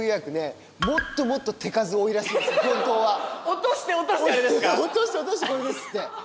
落として落としてこれですって。